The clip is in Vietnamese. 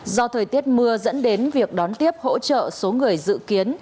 do thời tiết mưa dẫn đến việc đón tiếp hỗ trợ số người dự kiến